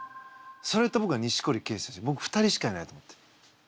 それとぼくは錦織圭選手ぼく２人しかいないと思ってる。